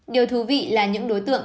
điều thú vị là những đối tượng